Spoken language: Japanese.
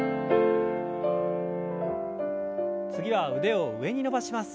次は腕を上に伸ばします。